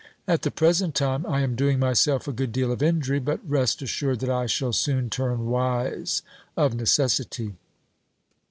At the present time I am doing myself a good deal of injury, but rest assured that I shall soon turn wise of necessity.